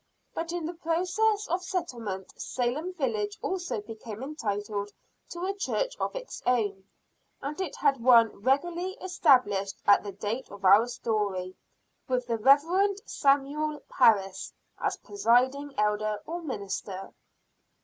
But in the progress of settlement, Salem village also became entitled to a church of its own; and it had one regularly established at the date of our story, with the Reverend Samuel Parris as presiding elder or minister.